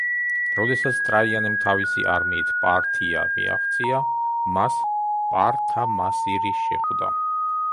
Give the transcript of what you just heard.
როდესაც ტრაიანემ თავისი არმიით პართია მიაღწია, მას პართამასირი შეხვდა.